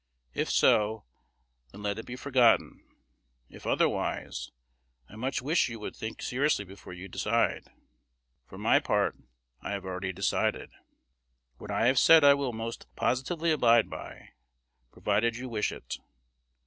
If so, then let it be forgotten; if otherwise, I much wish you would think seriously before you decide. For my part, I have already decided. What I have said I will most positively abide by, provided you wish it.